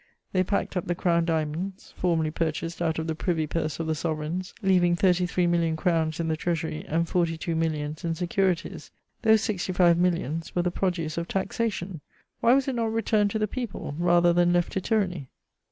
They packed up the Crown diamonds (formerly purchased out of the privy purse of the Sovereigns), leaving thirty three million crowns in the treasury and forty two millions in securities. Those sixty five millions were the produce of taxation: why was it not returned to the people, rather than left to tyranny!